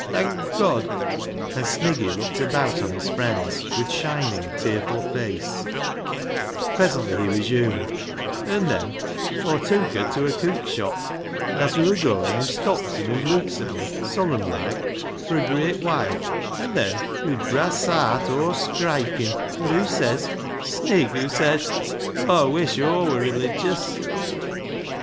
thank God!'" and Sniggy looked about on his friends with shining, tearful face. Presently he resumed —" An' then Aw tewk her tew a cook shop, and as we wur goin' hoo stops an' hoo leuks at me solemn loike, for a great while, an' then hoo brasts aat o' skriking, an' hoo says, * Snig,' hoo says, ' Aw wuish Aia wur religious